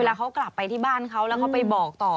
แล้วเขากลับไปที่บ้านเขาแล้วเขาไปบอกต่อ